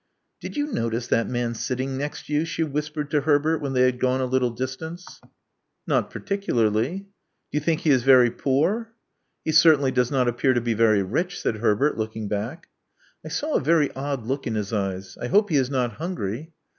Did you notice that man sitting next you?" she whispered to Herbert, when they had gone a little distance. lo Love Among the Artists Not particularly." *^o you think he is very poor?" He certainly does not appear to be very rich," said Herbert, looking back. I saw a very odd look in his eyes. I hope he is not himgry."